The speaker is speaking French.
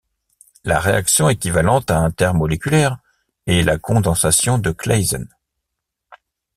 La réaction équivalente intermoléculaire est la condensation de Claisen.